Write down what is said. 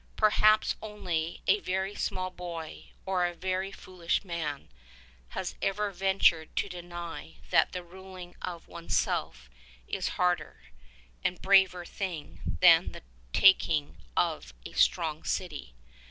Perhaps only a very small boy, or a very foolish man, has ever ventured to deny that the ruling of one's self is a harder and braver thing than the taking of a strong city.